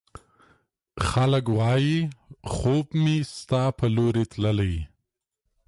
خلګ وايي، خوب مې ستا په لورې تللی